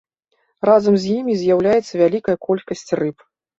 Разам з імі з'яўляецца вялікая колькасць рыб.